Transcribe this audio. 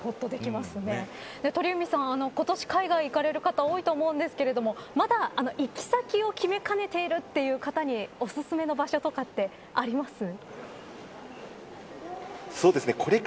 鳥海さん、今年海外に行かれる方多いと思うんですけどまだ行き先を決めかねているという方にお薦めの場所とかってありますか。